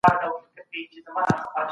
زکات یوازي مالي مرسته نه بلکه عبادت دی.